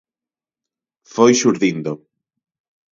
Foi xurdindo.